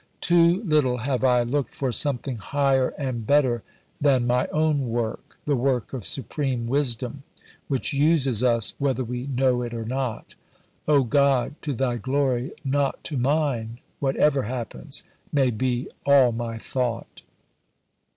"Too little have I looked for something higher and better than my own work the work of Supreme Wisdom, which uses us whether we know it or not. O God to Thy glory not to mine whatever happens, may be all my thought!"